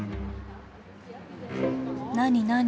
何何？